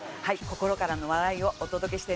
心からの笑いをお届けしています。